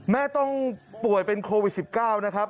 แม่ต้องป่วยเป็นโควิด๑๙นะครับ